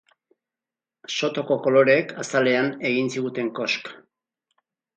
Sotoko koloreek azalean egin ziguten kosk.